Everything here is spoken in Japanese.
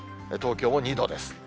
東京も２度です。